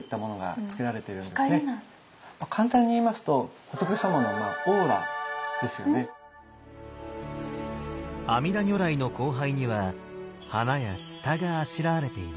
簡単に言いますと阿弥陀如来の光背には花や蔦があしらわれています。